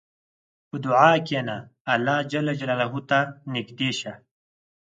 په دعا کښېنه، الله ته نږدې شه.